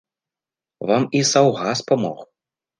Вам і саўгас памог.